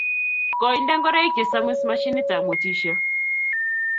Koinde ngoroik che samis machinit ap mwetisyo.